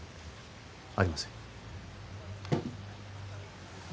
ありません